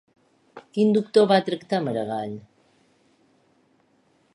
Quin doctor va tractar a Maragall?